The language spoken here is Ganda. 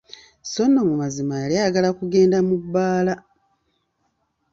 Sso nno mu mazima yali ayagala kugenda mu bbaala!